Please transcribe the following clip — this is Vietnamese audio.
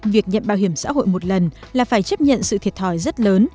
việc nhận bảo hiểm xã hội một lần là phải chấp nhận sự thiệt thòi rất lớn